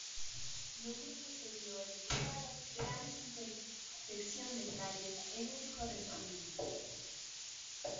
Nombre que se dio debido a la gran intersección de calles en el corregimiento.